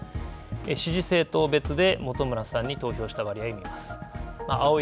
支持政党別で本村さんに投票した割合を見ます。